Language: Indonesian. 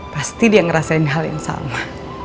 pasti dia ngerasain hal yang sama